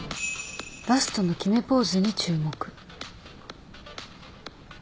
「ラストの決めポーズに注目」